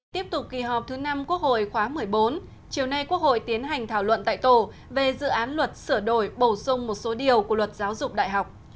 tiếp tục kỳ họp thứ năm quốc hội khóa một mươi bốn chiều nay quốc hội tiến hành thảo luận tại tổ về dự án luật sửa đổi bổ sung một số điều của luật giáo dục đại học